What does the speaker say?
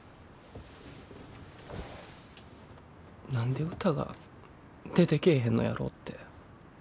何で歌が出てけえへんのやろって。